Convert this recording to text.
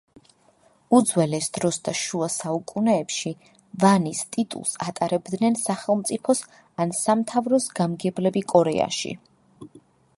უძველეს დროს და შუა საუკუნეებში ვანის ტიტულს ატარებდნენ სახელმწიფოს ან სამთავროს გამგებლები კორეაში.